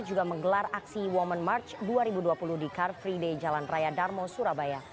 juga menggelar aksi women march dua ribu dua puluh di car free day jalan raya darmo surabaya